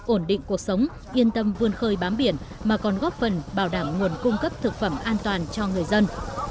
ổn định cuộc sống yên tâm vươn khơi bám biển mà còn góp phần bảo đảm nguồn cung cấp thực phẩm an toàn cho người dân